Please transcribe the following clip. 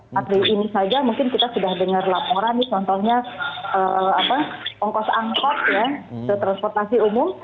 nah dari ini saja mungkin kita sudah dengar laporan contohnya ongkos angkot ya di transportasi umum